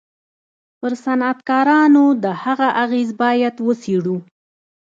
پر صنعتکارانو د هغه اغېز بايد و څېړو.